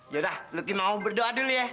yaudah lo mau berdoa dulu ya